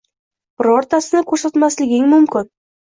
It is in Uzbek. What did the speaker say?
birortasini ko‘rsatmasliging ham mumkin.